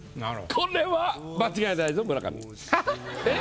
これは間違いないぞ村上。ははっ。